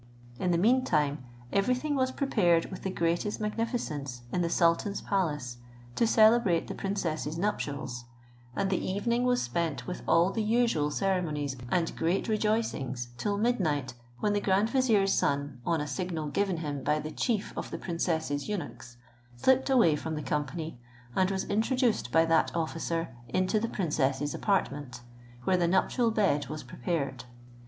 In the meantime, everything was prepared with the greatest magnificence in the sultan's palace to celebrate the princess's nuptials; and the evening was spent with all the usual ceremonies and great rejoicings till midnight, when the grand vizier's son, on a signal given him by the chief of the princess's eunuchs, slipped away from the company, and was introduced by that officer into the princess's apartment, where the nuptial bed was prepared.